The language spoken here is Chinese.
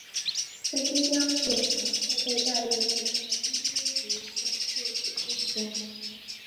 这些标志能够被带入随后的分支及算术指令中。